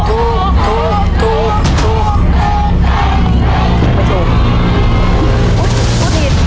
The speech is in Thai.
อุ๊ยพูดผิด